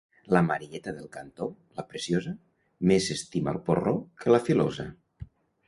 La Marieta del cantó, la preciosa, més s'estima el porró que la filosa.